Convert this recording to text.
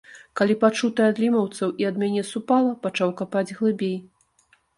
Калі пачутае ад лімаўцаў і ад мяне супала, пачаў капаць глыбей.